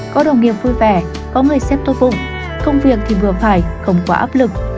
có đồng nghiệp vui vẻ có người xếp tốt vụng công việc thì vừa phải không quá áp lực